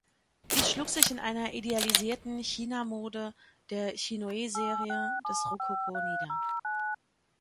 Dies schlug sich in einer idealisierten China-Mode, der Chinoiserie des Rokoko nieder.